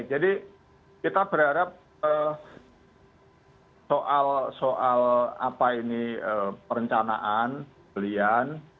jadi kita berharap soal soal apa ini perencanaan pilihan